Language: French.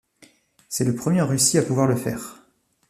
C'est le premier en Russie à pouvoir le faire.